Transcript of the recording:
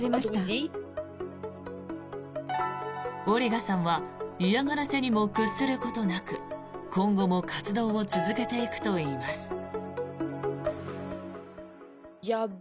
オリガさんは嫌がらせにも屈することなく今後も活動を続けていくといいます。